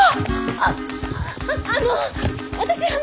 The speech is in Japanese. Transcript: あっあの私あの！